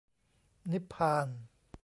นิพพาน